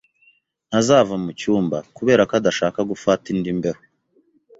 Ntazava mucyumba, kubera ko adashaka gufata indi mbeho